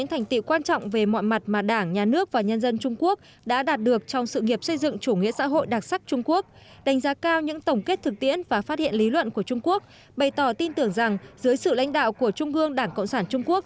hội đặc sắc trung quốc đánh giá cao những tổng kết thực tiễn và phát hiện lý luận của trung quốc bày tỏ tin tưởng rằng dưới sự lãnh đạo của trung ương đảng cộng sản trung quốc